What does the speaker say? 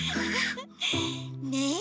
ねえ！